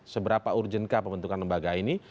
seberapa urgenkah pembentukan lembaga ini